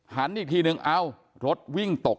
หันอีกทีหนึ่งอ้าวรถวิ่งตก